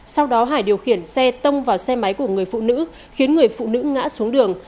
sau đó hải điều khiển xe tông vào xe máy của người phụ nữ khiến người phụ nữ ngã xuống đường